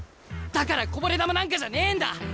だからこぼれ球なんかじゃねえんだ。